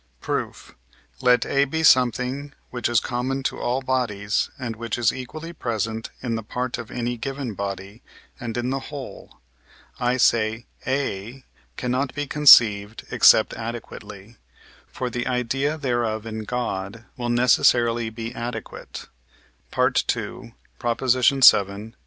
Proof. Let A be something, which is common to all bodies, and which is equally present in the part of any given body and in the whole. I say A cannot be conceived except adequately. For the idea thereof in God will necessarily be adequate (II. vii.